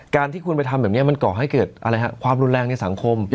ที่คุณไปทำแบบนี้มันก่อให้เกิดอะไรฮะความรุนแรงในสังคม